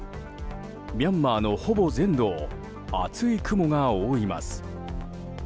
ミャンマーのほぼ全土を厚い雲が覆います。